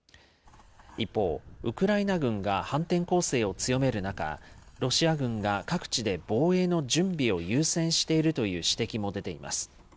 一方、ウクライナ軍が反転攻勢を強める中、ロシア軍が各地で防衛の準備を優先しているという指摘も出ています。